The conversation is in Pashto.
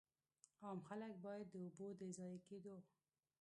عام خلک باید د اوبو د ضایع کېدو.